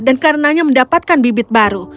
dan karena itu mendapatkan bibit baru